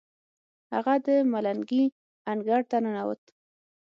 هغه د منګلي انګړ ته ننوت.